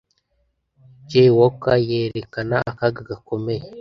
Jaywalker yerekana akaga gakomeye